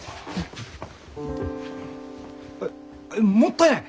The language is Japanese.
えっもったいない！